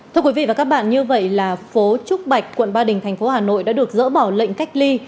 thưa quý vị và các bạn như vậy là phố trúc bạch quận ba đình thành phố hà nội đã được dỡ bỏ lệnh cách ly